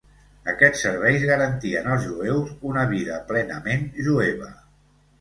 Aquests serveis garantien als jueus una vida plenament jueva.